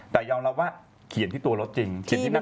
แต่ยอมรับว่าเขียนที่ตัวรถจริง